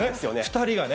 ２人がね。